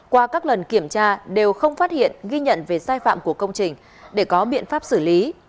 qua các lần kiểm tra đều không phát hiện ghi nhận về sai phạm của công trình để có biện pháp xử lý